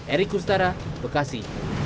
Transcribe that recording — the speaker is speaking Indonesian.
erik kustara bekasi